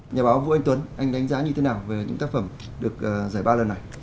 nhà báo vũ anh tuấn anh đánh giá như thế nào về những tác phẩm được giải ba lần này